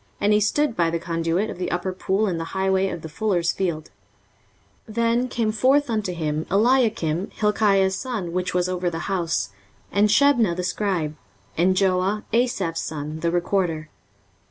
And he stood by the conduit of the upper pool in the highway of the fuller's field. 23:036:003 Then came forth unto him Eliakim, Hilkiah's son, which was over the house, and Shebna the scribe, and Joah, Asaph's son, the recorder.